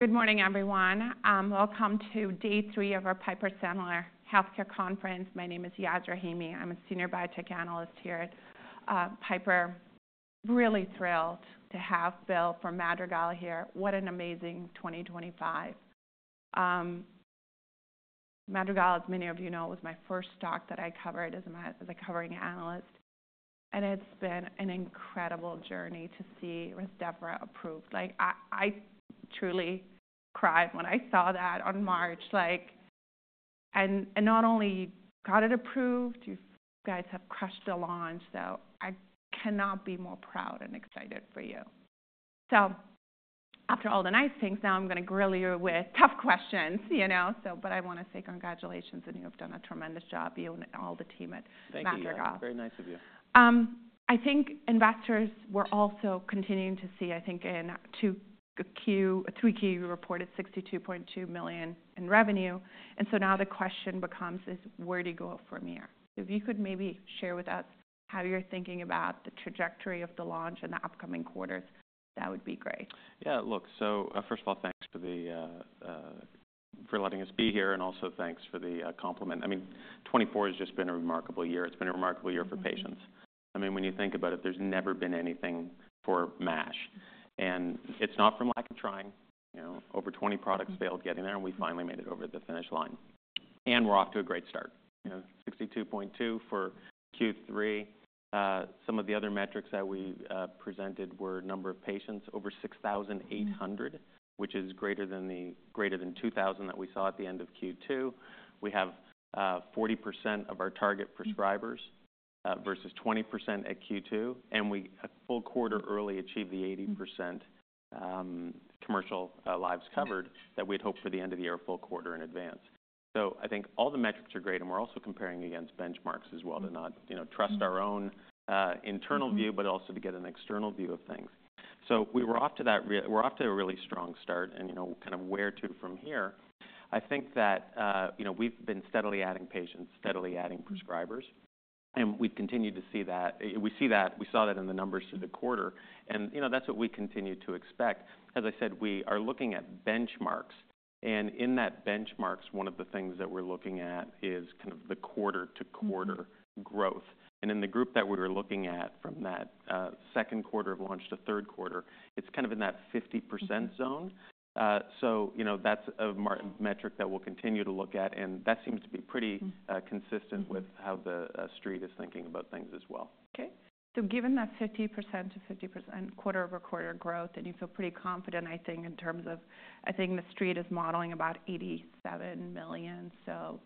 Good morning, everyone. Welcome to Day Three of our Piper Sandler Healthcare Conference. My name is Yaz Rahimi. I'm a Senior Biotech Analyst here at Piper. Really thrilled to have Bill from Madrigal here. What an amazing 2025. Madrigal, as many of you know, was my first stock that I covered as a covering analyst. And it's been an incredible journey to see Rezdiffra approved. I truly cried when I saw that on March. And not only got it approved, you guys have crushed the launch. So I cannot be more proud and excited for you. So after all the nice things, now I'm going to grill you with tough questions. But I want to say congratulations, and you have done a tremendous job. You and all the team at Madrigal. Thank you. Very nice of you. I think investors were also continuing to see, I think, in Q2 we reported $62.2 million in revenue, and so now the question becomes, where do you go from here, so if you could maybe share with us how you're thinking about the trajectory of the launch in the upcoming quarters, that would be great. Yeah, look, so first of all, thanks for letting us be here. And also, thanks for the compliment. I mean, '24 has just been a remarkable year. It's been a remarkable year for patients. I mean, when you think about it, there's never been anything for MASH. And it's not from lack of trying. Over 20 products failed getting there, and we finally made it over the finish line. And we're off to a great start. $62.2 for Q3. Some of the other metrics that we presented were number of patients, over 6,800, which is greater than 2,000 that we saw at the end of Q2. We have 40% of our target prescribers versus 20% at Q2. And we, a full quarter early, achieved the 80% commercial lives covered that we had hoped for the end of the year, a full quarter in advance. So I think all the metrics are great. And we're also comparing against benchmarks as well to not trust our own internal view, but also to get an external view of things. So we're off to a really strong start. And kind of where to from here? I think that we've been steadily adding patients, steadily adding prescribers. And we've continued to see that. We saw that in the numbers through the quarter. And that's what we continue to expect. As I said, we are looking at benchmarks. And in that benchmarks, one of the things that we're looking at is kind of the quarter-to-quarter growth. And in the group that we were looking at from that second quarter of launch to third quarter, it's kind of in that 50% zone. So that's a metric that we'll continue to look at. That seems to be pretty consistent with how the Street is thinking about things as well. OK. So given that 50%-50% quarter-over-quarter growth, and you feel pretty confident, I think, in terms of I think the Street is modeling about $87 million. So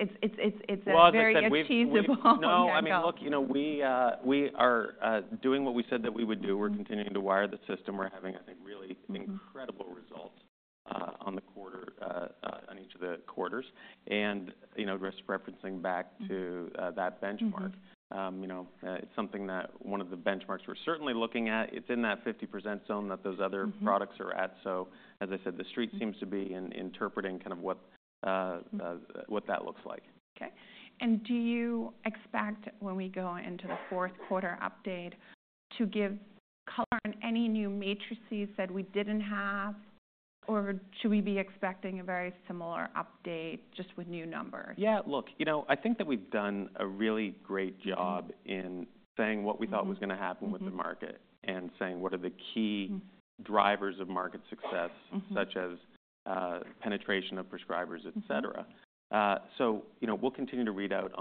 it's a very achievable. No, I mean, look, we are doing what we said that we would do. We're continuing to wire the system. We're having, I think, really incredible results on each of the quarters, and just referencing back to that benchmark, it's something that one of the benchmarks we're certainly looking at. It's in that 50% zone that those other products are at, so as I said, the Street seems to be interpreting kind of what that looks like. OK. And do you expect when we go into the fourth quarter update to give color on any new metrics that we didn't have? Or should we be expecting a very similar update just with new numbers? Yeah, look, you know I think that we've done a really great job in saying what we thought was going to happen with the market and saying what are the key drivers of market success, such as penetration of prescribers, et cetera. So we'll continue to read out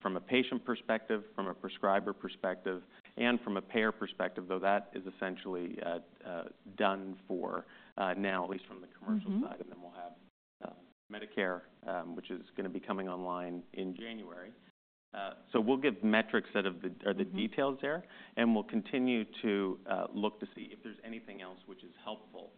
from a patient perspective, from a prescriber perspective, and from a payer perspective, though that is essentially done for now, at least from the commercial side. And then we'll have Medicare, which is going to be coming online in January. So we'll give metrics that are the details there. And we'll continue to look to see if there's anything else which is helpful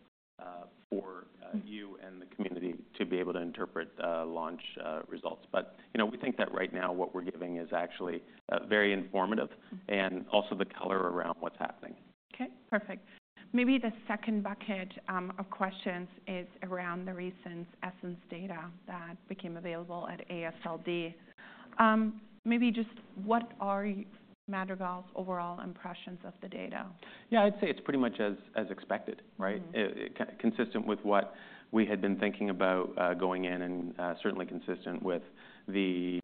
for you and the community to be able to interpret launch results. But we think that right now what we're giving is actually very informative and also the color around what's happening. OK, perfect. Maybe the second bucket of questions is around the recent ESSENCE data that became available at AASLD. Maybe just what are Madrigal's overall impressions of the data? Yeah, I'd say it's pretty much as expected, consistent with what we had been thinking about going in and certainly consistent with the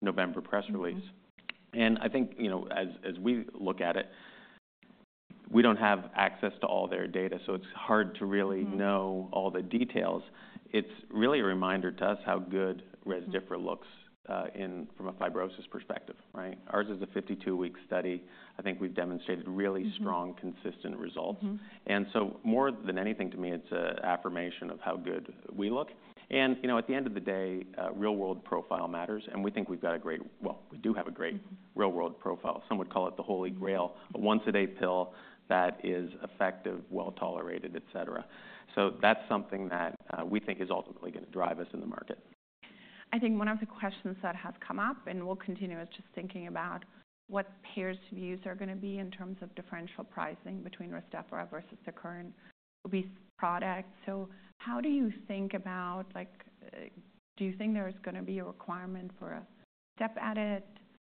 November press release. And I think as we look at it, we don't have access to all their data. So it's hard to really know all the details. It's really a reminder to us how good Rezdiffra looks from a fibrosis perspective. Ours is a 52-week study. I think we've demonstrated really strong, consistent results. And so more than anything, to me, it's an affirmation of how good we look. And at the end of the day, real-world profile matters. And we think we've got a great. Well, we do have a great real-world profile. Some would call it the holy grail, a once-a-day pill that is effective, well tolerated, et cetera. So that's something that we think is ultimately going to drive us in the market. I think one of the questions that has come up, and we'll continue, is just thinking about what payers' views are going to be in terms of differential pricing between Rezdiffra versus the current product. So how do you think about do you think there is going to be a requirement for a step added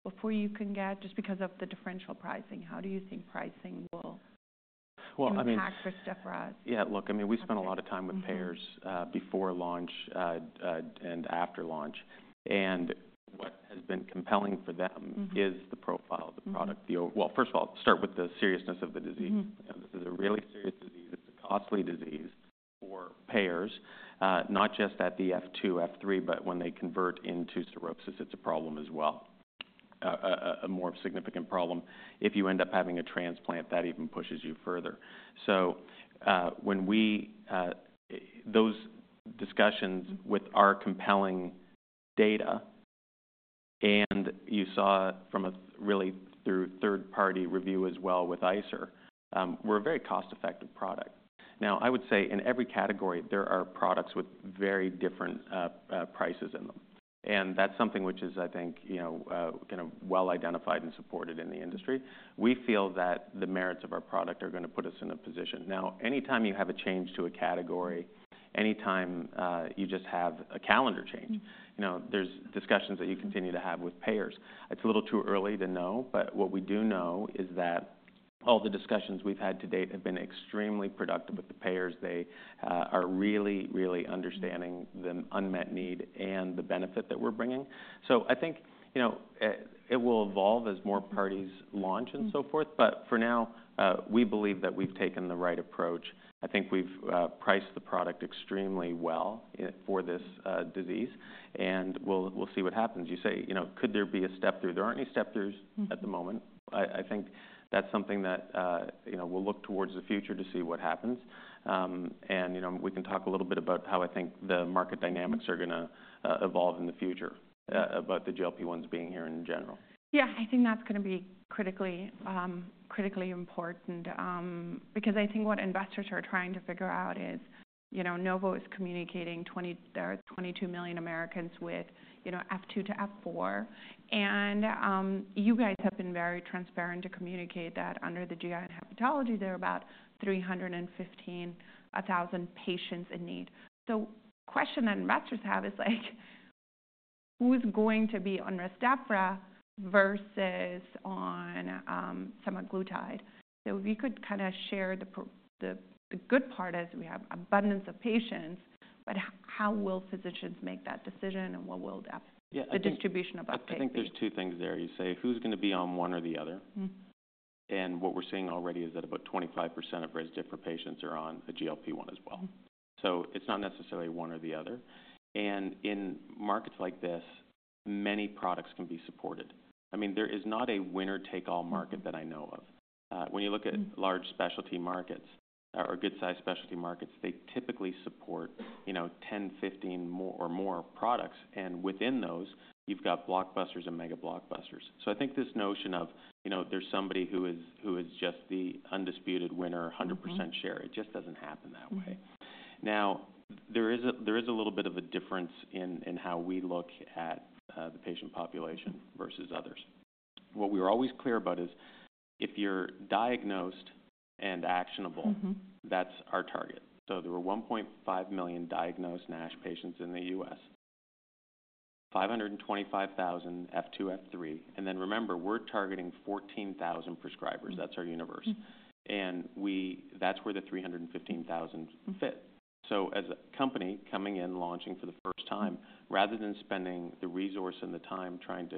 before you can get just because of the differential pricing? How do you think pricing will impact Rezdiffra? Yeah, look, I mean, we spent a lot of time with payers before launch and after launch. And what has been compelling for them is the profile of the product. Well, first of all, start with the seriousness of the disease. This is a really serious disease. It's a costly disease for payers, not just at the F2, F3, but when they convert into cirrhosis, it's a problem as well, a more significant problem. If you end up having a transplant, that even pushes you further. So those discussions with our compelling data, and you saw from a really thorough third-party review as well with ICER, we're a very cost-effective product. Now, I would say in every category, there are products with very different prices in them. And that's something which is, I think, kind of well identified and supported in the industry. We feel that the merits of our product are going to put us in a position. Now, any time you have a change to a category, any time you just have a calendar change, there's discussions that you continue to have with payers. It's a little too early to know. But what we do know is that all the discussions we've had to date have been extremely productive with the payers. They are really, really understanding the unmet need and the benefit that we're bringing. So I think it will evolve as more parties launch and so forth. But for now, we believe that we've taken the right approach. I think we've priced the product extremely well for this disease. And we'll see what happens. You say, could there be a step through? There aren't any step throughs at the moment. I think that's something that we'll look towards the future to see what happens, and we can talk a little bit about how I think the market dynamics are going to evolve in the future, about the GLP-1s being here in general. Yeah, I think that's going to be critically important because I think what investors are trying to figure out is Novo is communicating 22 million Americans with F2 to F4. And you guys have been very transparent to communicate that under the GI Hepatology, there are about 315,000 patients in need. So the question that investors have is, who's going to be on Rezdiffra versus on semaglutide? So if you could kind of share the good part is we have abundance of patients. But how will physicians make that decision? And what will the distribution of updates be? I think there's two things there. You say, who's going to be on one or the other? And what we're seeing already is that about 25% of Rezdiffra patients are on a GLP-1 as well. So it's not necessarily one or the other. And in markets like this, many products can be supported. I mean, there is not a winner-take-all market that I know of. When you look at large specialty markets or good-sized specialty markets, they typically support 10, 15, or more products. And within those, you've got blockbusters and mega blockbusters. So I think this notion of there's somebody who is just the undisputed winner, 100% share, it just doesn't happen that way. Now, there is a little bit of a difference in how we look at the patient population versus others. What we were always clear about is if you're diagnosed and actionable, that's our target. So there were 1.5 million diagnosed NASH patients in the U.S., 525,000 F2, F3. And then remember, we're targeting 14,000 prescribers. That's our universe. And that's where the 315,000 fit. So as a company coming in, launching for the first time, rather than spending the resource and the time trying to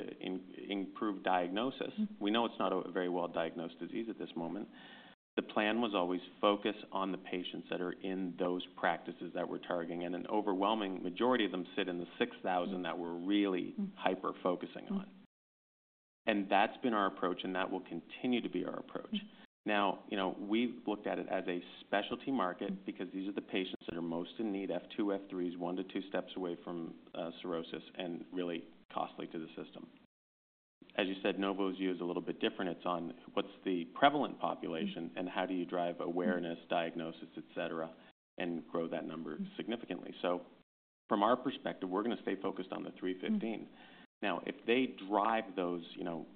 improve diagnosis, we know it's not a very well-diagnosed disease at this moment. The plan was always focus on the patients that are in those practices that we're targeting. And an overwhelming majority of them sit in the 6,000 that we're really hyper-focusing on. And that's been our approach. And that will continue to be our approach. Now, we've looked at it as a specialty market because these are the patients that are most in need, F2, F3s, one to two steps away from cirrhosis, and really costly to the system. As you said, Novo's view is a little bit different. It's on what's the prevalent population and how do you drive awareness, diagnosis, et cetera, et cetera, and grow that number significantly. So from our perspective, we're going to stay focused on the 315. Now, if they drive those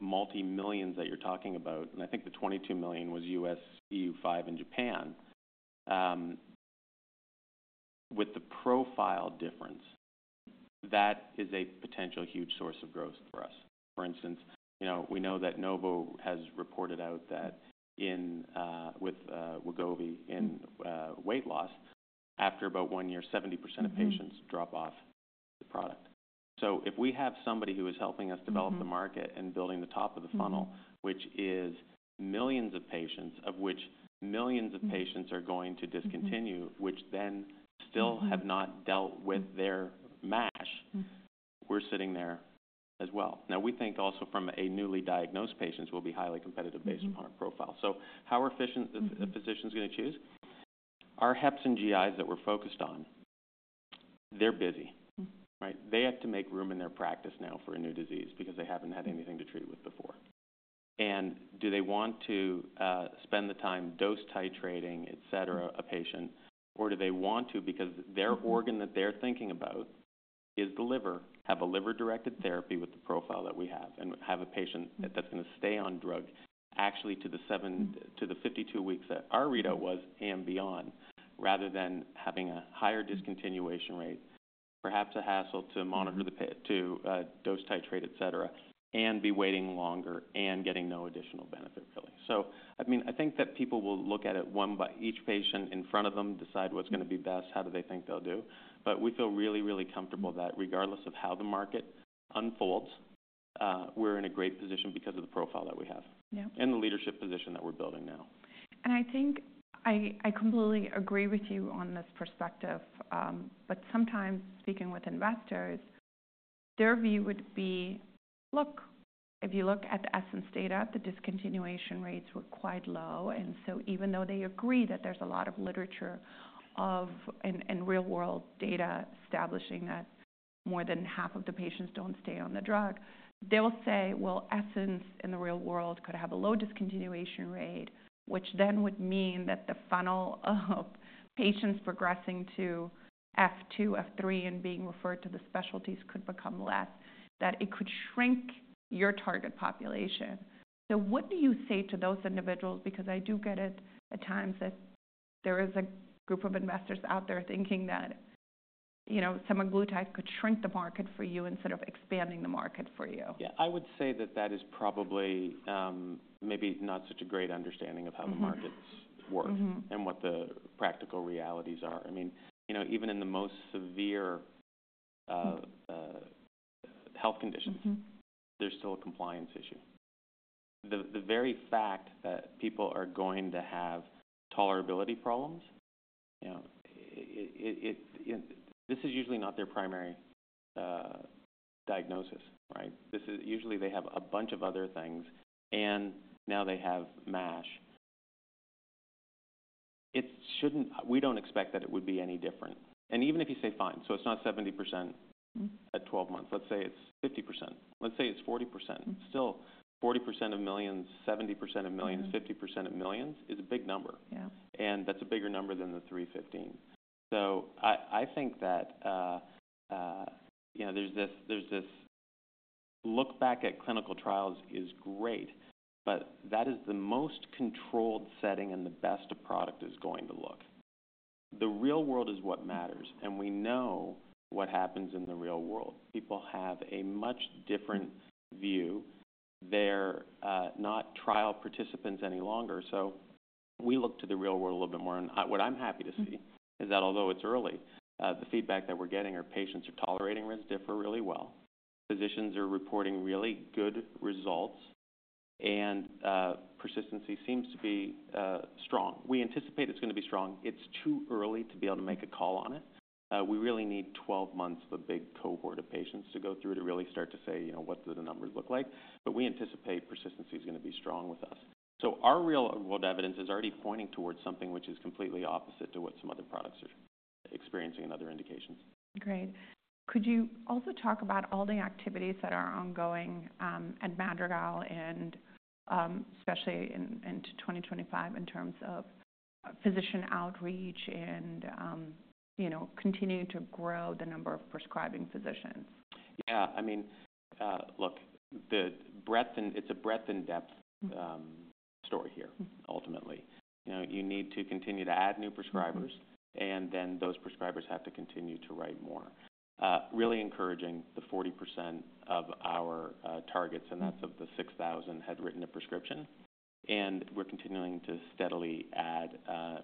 multi-millions that you're talking about, and I think the 22 million was U.S., EU, 5 in Japan, with the profile difference, that is a potential huge source of growth for us. For instance, we know that Novo has reported out that with Wegovy in weight loss, after about one year, 70% of patients drop off the product. So if we have somebody who is helping us develop the market and building the top of the funnel, which is millions of patients, of which millions of patients are going to discontinue, which then still have not dealt with their MASH, we're sitting there as well. Now, we think also from a newly diagnosed patient, we'll be highly competitive based upon our profile. So how are physicians going to choose? Our heps and GIs that we're focused on, they're busy. They have to make room in their practice now for a new disease because they haven't had anything to treat with before. And do they want to spend the time dose titrating, et cetera, a patient? Or do they want to, because their organ that they're thinking about is the liver, have a liver-directed therapy with the profile that we have and have a patient that's going to stay on drug actually to the 52 weeks that our readout was and beyond, rather than having a higher discontinuation rate, perhaps a hassle to dose titrate, et cetera, and be waiting longer and getting no additional benefit really. So I mean, I think that people will look at it one by each patient in front of them, decide what's going to be best, how do they think they'll do. But we feel really, really comfortable that regardless of how the market unfolds, we're in a great position because of the profile that we have and the leadership position that we're building now. I think I completely agree with you on this perspective. Sometimes speaking with investors, their view would be, look, if you look at the ESSENCE data, the discontinuation rates were quite low. So even though they agree that there's a lot of literature and real-world data establishing that more than half of the patients don't stay on the drug, they will say, well, ESSENCE in the real world could have a low discontinuation rate, which then would mean that the funnel of patients progressing to F2, F3 and being referred to the specialties could become less, that it could shrink your target population. What do you say to those individuals? Because I do get it at times that there is a group of investors out there thinking that Semaglutide could shrink the market for you instead of expanding the market for you. Yeah, I would say that that is probably maybe not such a great understanding of how the markets work and what the practical realities are. I mean, even in the most severe health conditions, there's still a compliance issue. The very fact that people are going to have tolerability problems, this is usually not their primary diagnosis. Usually, they have a bunch of other things. And now they have MASH. We don't expect that it would be any different. And even if you say, fine, so it's not 70% at 12 months. Let's say it's 50%. Let's say it's 40%. Still, 40% of millions, 70% of millions, 50% of millions is a big number. And that's a bigger number than the 315. So I think that there's this look back at clinical trials is great. But that is the most controlled setting and the best a product is going to look. The real world is what matters. And we know what happens in the real world. People have a much different view. They're not trial participants any longer. So we look to the real world a little bit more. And what I'm happy to see is that although it's early, the feedback that we're getting are patients are tolerating Rezdiffra really well. Physicians are reporting really good results. And persistency seems to be strong. We anticipate it's going to be strong. It's too early to be able to make a call on it. We really need 12 months of a big cohort of patients to go through to really start to say, what do the numbers look like? But we anticipate persistency is going to be strong with us. Our real-world evidence is already pointing towards something which is completely opposite to what some other products are experiencing and other indications. Great. Could you also talk about all the activities that are ongoing at Madrigal and especially into 2025 in terms of physician outreach and continuing to grow the number of prescribing physicians? Yeah, I mean, look, it's a breadth and depth story here, ultimately. You need to continue to add new prescribers. And then those prescribers have to continue to write more. Really encouraging the 40% of our targets. And that's of the 6,000 had written a prescription. And we're continuing to steadily add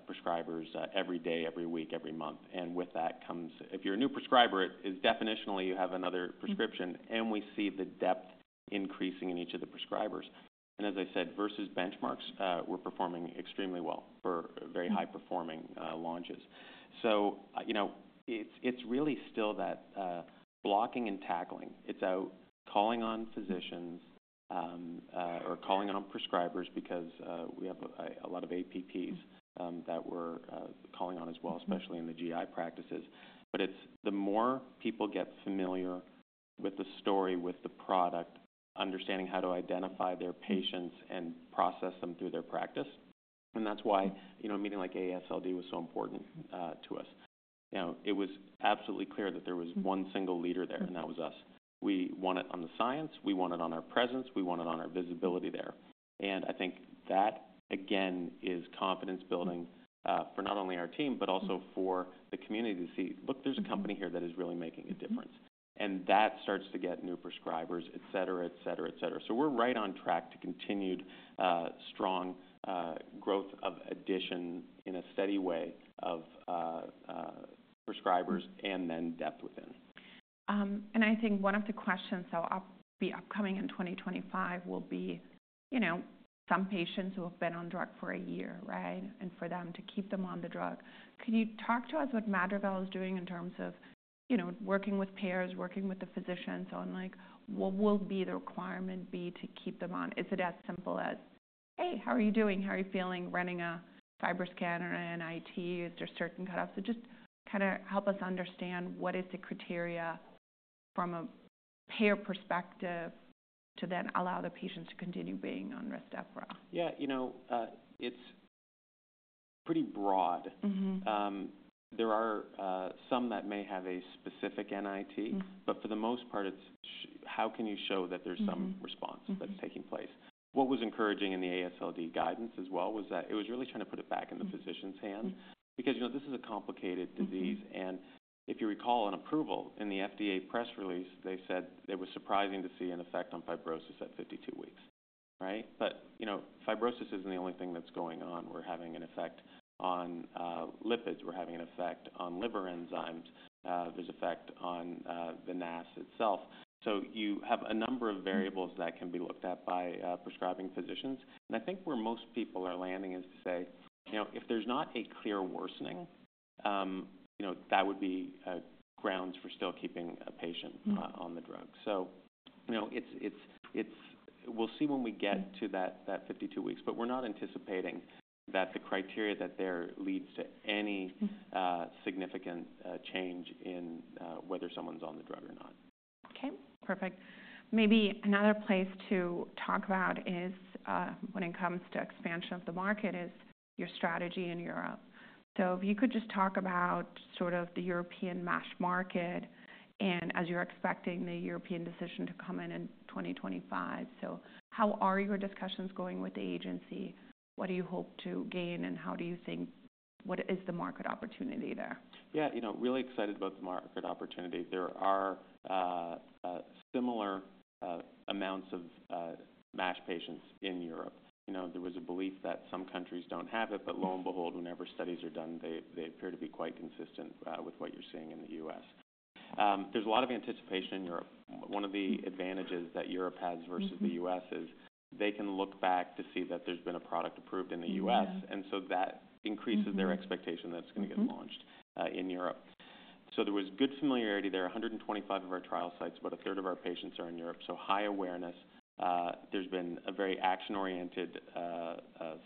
prescribers every day, every week, every month. And with that comes, if you're a new prescriber, definitionally, you have another prescription. And we see the depth increasing in each of the prescribers. And as I said, versus benchmarks, we're performing extremely well for very high-performing launches. So it's really still that blocking and tackling. It's calling on physicians or calling on prescribers because we have a lot of APPs that we're calling on as well, especially in the GI practices. But it's the more people get familiar with the story, with the product, understanding how to identify their patients and process them through their practice. And that's why a meeting like AASLD was so important to us. It was absolutely clear that there was one single leader there. And that was us. We want it on the science. We want it on our presence. We want it on our visibility there. And I think that, again, is confidence building for not only our team, but also for the community to see, look, there's a company here that is really making a difference. And that starts to get new prescribers, et cetera, et cetera, et cetera. So we're right on track to continued strong growth of addition in a steady way of prescribers and then depth within. And I think one of the questions that will be upcoming in 2025 will be some patients who have been on drug for a year, right? And for them to keep them on the drug. Could you talk to us what Madrigal is doing in terms of working with payers, working with the physicians on what will be the requirement be to keep them on? Is it as simple as, hey, how are you doing? How are you feeling? Running a FibroScan or an NIT? Is there certain cutoffs? So just kind of help us understand what is the criteria from a payer perspective to then allow the patients to continue being on Rezdiffra. Yeah, it's pretty broad. There are some that may have a specific NIT. But for the most part, it's how can you show that there's some response that's taking place? What was encouraging in the AASLD guidance as well was that it was really trying to put it back in the physician's hands because this is a complicated disease, and if you recall an approval in the FDA press release, they said it was surprising to see an effect on fibrosis at 52 weeks, right, but fibrosis isn't the only thing that's going on. We're having an effect on lipids. We're having an effect on liver enzymes. There's effect on the NASH itself, so you have a number of variables that can be looked at by prescribing physicians. I think where most people are landing is to say, if there's not a clear worsening, that would be grounds for still keeping a patient on the drug. We'll see when we get to that 52 weeks. We're not anticipating that the criteria that there leads to any significant change in whether someone's on the drug or not. OK, perfect. Maybe another place to talk about is when it comes to expansion of the market is your strategy in Europe. So if you could just talk about sort of the European MASH market and as you're expecting the European decision to come in in 2025. So how are your discussions going with the agency? What do you hope to gain? And how do you think what is the market opportunity there? Yeah, really excited about the market opportunity. There are similar amounts of MASH patients in Europe. There was a belief that some countries don't have it. But lo and behold, whenever studies are done, they appear to be quite consistent with what you're seeing in the U.S. There's a lot of anticipation in Europe. One of the advantages that Europe has versus the U.S. is they can look back to see that there's been a product approved in the U.S. And so that increases their expectation that it's going to get launched in Europe. So there was good familiarity there. 125 of our trial sites, about a third of our patients are in Europe. So high awareness. There's been very action-oriented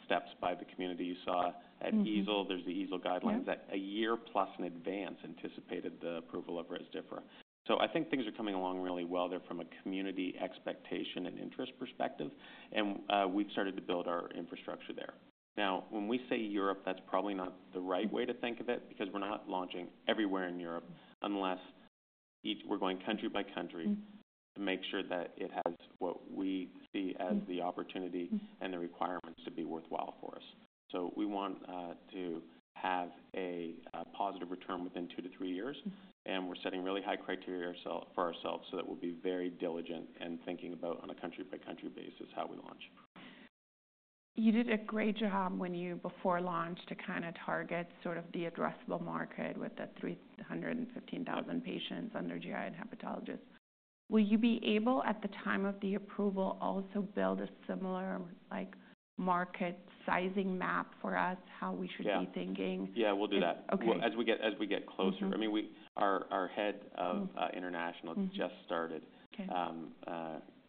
steps by the community. You saw at EASL, there's the EASL guidelines that a year plus in advance anticipated the approval of Rezdiffra. So I think things are coming along really well there from a community expectation and interest perspective. And we've started to build our infrastructure there. Now, when we say Europe, that's probably not the right way to think of it because we're not launching everywhere in Europe unless we're going country by country to make sure that it has what we see as the opportunity and the requirements to be worthwhile for us. So we want to have a positive return within two to three years. And we're setting really high criteria for ourselves so that we'll be very diligent in thinking about on a country-by-country basis how we launch. You did a great job before launch to kind of target sort of the addressable market with the 315,000 patients under GI and hepatologists. Will you be able, at the time of the approval, also build a similar market sizing map for us, how we should be thinking? Yeah, we'll do that as we get closer. I mean, our head of international just started.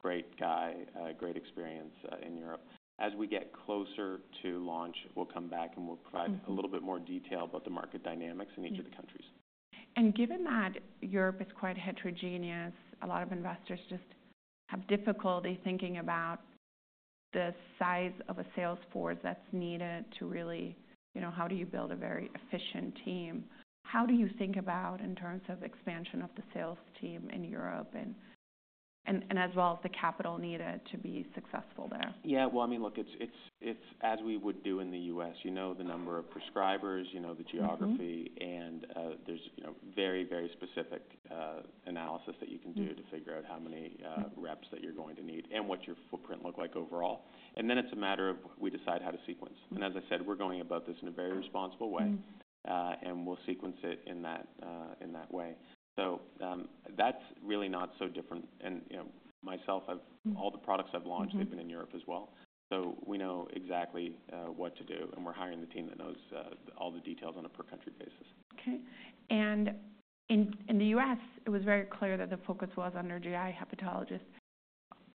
Great guy, great experience in Europe. As we get closer to launch, we'll come back and we'll provide a little bit more detail about the market dynamics in each of the countries. Given that Europe is quite heterogeneous, a lot of investors just have difficulty thinking about the size of a sales force that's needed to really how do you build a very efficient team? How do you think about in terms of expansion of the sales team in Europe and as well as the capital needed to be successful there? Yeah, well, I mean, look, it's as we would do in the U.S. You know the number of prescribers, you know the geography. And there's very, very specific analysis that you can do to figure out how many reps that you're going to need and what your footprint looks like overall. And then it's a matter of we decide how to sequence. And as I said, we're going about this in a very responsible way. And we'll sequence it in that way. So that's really not so different. And myself, all the products I've launched, they've been in Europe as well. So we know exactly what to do. And we're hiring the team that knows all the details on a per-country basis. OK. And in the U.S., it was very clear that the focus was under GI hepatologists.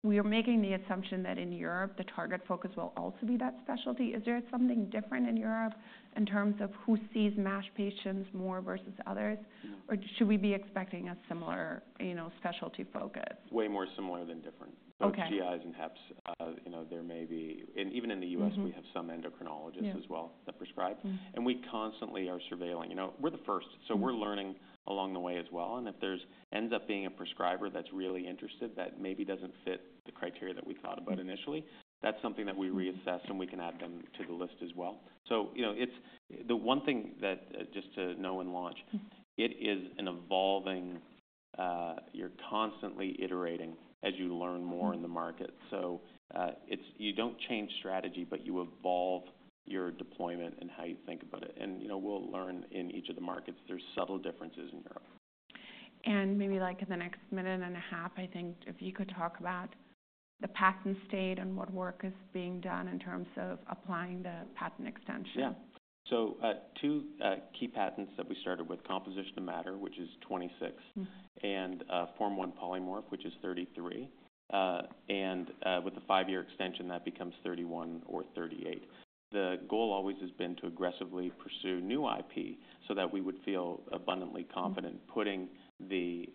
We are making the assumption that in Europe, the target focus will also be that specialty. Is there something different in Europe in terms of who sees MASH patients more versus others? Or should we be expecting a similar specialty focus? Way more similar than different. So GIs and heps, there may be and even in the U.S., we have some endocrinologists as well that prescribe. And we constantly are surveilling. We're the first. So we're learning along the way as well. And if there ends up being a prescriber that's really interested that maybe doesn't fit the criteria that we thought about initially, that's something that we reassess. And we can add them to the list as well. So the one thing that just to know and launch, it is an evolving. You're constantly iterating as you learn more in the market. So you don't change strategy, but you evolve your deployment and how you think about it. And we'll learn in each of the markets. There's subtle differences in Europe. Maybe like in the next minute and a half, I think if you could talk about the patent estate and what work is being done in terms of applying the patent extension. Yeah. So two key patents that we started with, composition of matter, which is 26, and Form I polymorph, which is 33. And with the five-year extension, that becomes 31 or 38. The goal always has been to aggressively pursue new IP so that we would feel abundantly confident putting the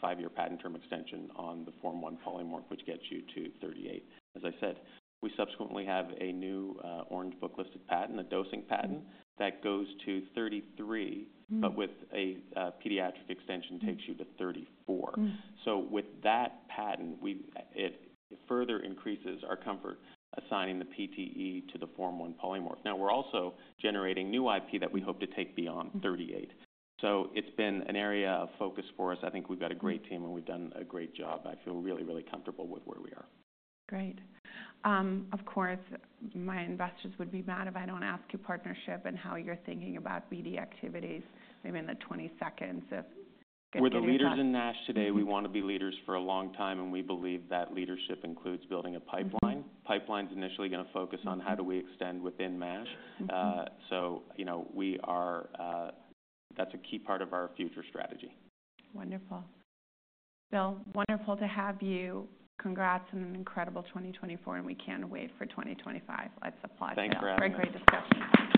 five-year patent term extension on the Form I polymorph, which gets you to 38. As I said, we subsequently have a new Orange Book listed patent, a dosing patent that goes to 33, but with a pediatric extension takes you to 34. So with that patent, it further increases our comfort assigning the PTE to the Form I polymorph. Now, we're also generating new IP that we hope to take beyond 38. So it's been an area of focus for us. I think we've got a great team. And we've done a great job. I feel really, really comfortable with where we are. Great. Of course, my investors would be mad if I don't ask about your partnership and how you're thinking about BD activities, maybe in the 20 seconds if. We're the leaders in NASH today. We want to be leaders for a long time, and we believe that leadership includes building a pipeline. Pipeline's initially going to focus on how do we extend within MASH, so that's a key part of our future strategy. Wonderful. Bill, wonderful to have you. Congrats on an incredible 2024. And we can't wait for 2025. Let's applaud that. Thank you, Robin. Great discussion.